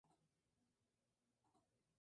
El suelo de arena calcárea de grano grueso.